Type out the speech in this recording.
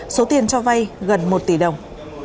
số tiền cho vai gần một tỷ đồng